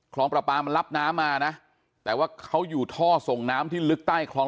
ประปามันรับน้ำมานะแต่ว่าเขาอยู่ท่อส่งน้ำที่ลึกใต้คลอง